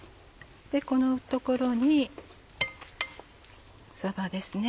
この所にさばですね。